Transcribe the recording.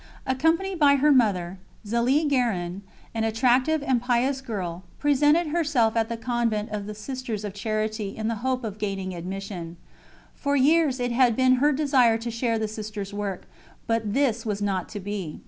Accompanied by her mother, Zélie Guérin an attractive and pious girl presented herself at the Convent of the Sisters of Charity in the hope of gaining admission. For years it had been her desire to share the Sisters' work, but this was not to be.